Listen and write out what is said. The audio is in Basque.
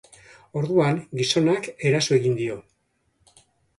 Orduan, gizonak eraso egin dio.